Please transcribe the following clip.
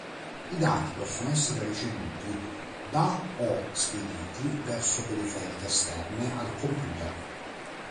I dati possono essere ricevuti da o spediti verso periferiche esterne al computer.